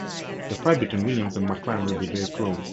The fight between Williams and McLaren will be very close.